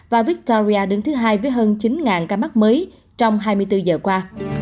và victoria đứng thứ hai với hơn chín ca mắc mới trong hai mươi bốn giờ qua